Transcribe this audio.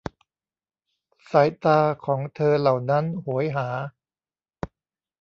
สายตาของเธอเหล่านั้นโหยหา !